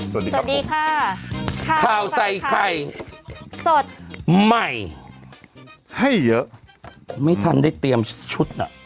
สวัสดีครับสวัสดีค่ะข้าวใส่ไข่สดใหม่ให้เยอะไม่ทันได้เตรียมชุดน่ะ